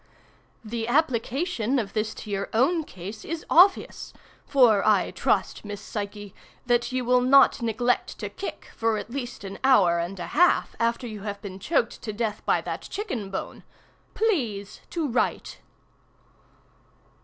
The application of this to your own case is obvious—for I trust, Miss Psyche, that you will not neglect to kick for at least an hour and a half after you have been choked to death by that chicken bone. Please to write!